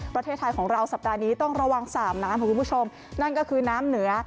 ประเทศไทยของเราสัปดาห์นี้ต้องระวังสามน้ำค่ะคุณผู้ชมนั่นก็คือน้ำเหนือ